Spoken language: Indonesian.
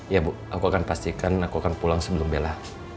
ya bu aku akan pastikan aku akan pulang sebelum bela